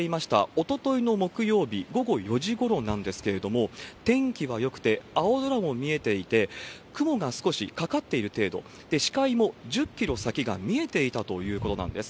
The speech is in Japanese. おとといの木曜日午後４時ごろなんですけれども、天気はよくて、青空も見えていて、雲が少しかかっている程度で、視界も１０キロ先が見えていたということなんです。